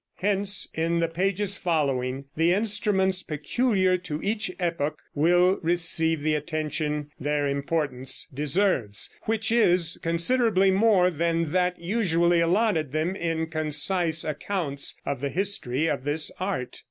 Hence in the pages following, the instruments peculiar to each epoch will receive the attention their importance deserves, which is considerably more than that usually allotted them in concise accounts of the history of this art.